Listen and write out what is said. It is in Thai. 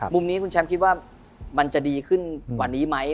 มุมนี้คุณแชมป์คิดว่ามันจะดีขึ้นกว่านี้ไหม